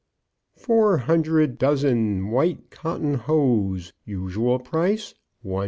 Four hundred dozen white cotton hose, usual price, 1_s.